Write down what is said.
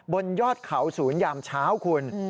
บนยอดเขาศูนยามเช้าคุณ